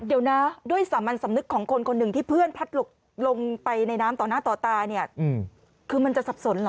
เดี๋ยวนะด้วยสามัญสำนึกของคนคนหนึ่งที่เพื่อนพลัดหลบลงไปในน้ำต่อหน้าต่อตาเนี่ยคือมันจะสับสนเหรอ